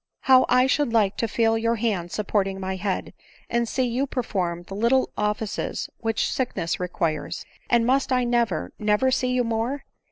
How I should like to feel your hand supporting my head, and . see you perform the little offices which sickness requires. And must I never, never see you more